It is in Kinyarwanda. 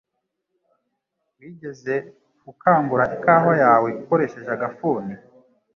Wigeze ukangura ikawa yawe ukoresheje agafuni?